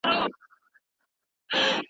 دا کالي په ماشین کي جوړ سوي دي.